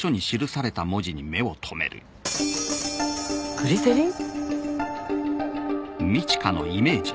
グリセリン⁉